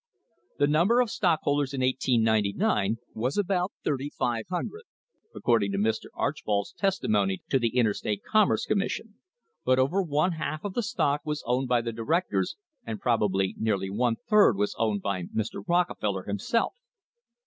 The number of stockholders in 1899 was about 3,500, according to Mr. Archbold's testimony to the Interstate Com merce Commission, but over one half of the stock was owned by the directors, and probably nearly one third was owned by Mr. Rockefeller himself.